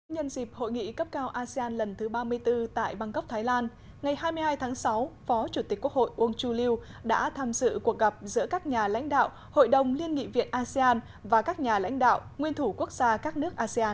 nhân dịp hội nghị cấp cao asean lần thứ ba mươi bốn tại bangkok thái lan ngày hai mươi hai tháng sáu phó chủ tịch quốc hội uông chu lưu đã tham dự cuộc gặp giữa các nhà lãnh đạo hội đồng liên nghị viện asean và các nhà lãnh đạo nguyên thủ quốc gia các nước asean